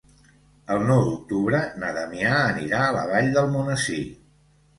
El nou d'octubre na Damià anirà a la Vall d'Almonesir.